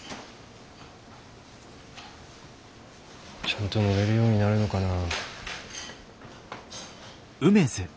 ちゃんと乗れるようになるのかな。